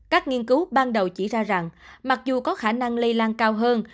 các nghiên cứu ban đầu chỉ ra rằng mặc dù có khả năng lây lan cao hơn